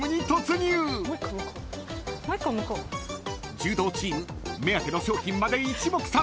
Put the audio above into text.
［柔道チーム目当ての商品まで一目散］